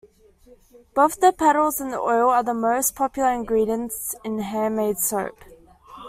Both the petals and the oil are the most popular ingredients in handmade soap.